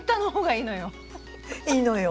いいのよ。